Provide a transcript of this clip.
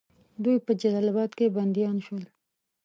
دوی په جلال آباد کې بندیان شول.